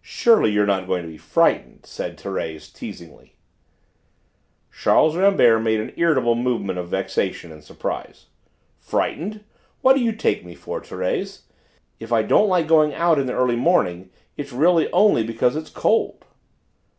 "Surely you are not going to be frightened?" said Thérèse teasingly. Charles Rambert made an irritable movement of vexation and surprise. "Frightened? What do you take me for, Thérèse? If I don't like going out in the early morning it's really only because it is cold."